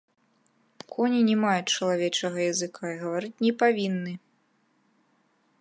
Коні не маюць чалавечага языка і гаварыць не павінны!